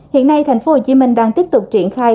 hiện nay tp hcm đang tiếp tục triển khai